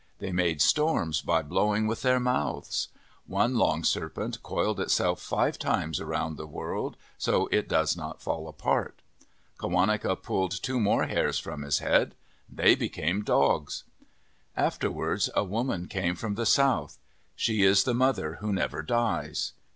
They made storms by blowing with their mouths. One long serpent coiled itself five times around the world, so it does not fall apart. Qawaneca pulled two more hairs from his head. They became dogs. Afterwards a woman came from the south. She is the Mother who never dies.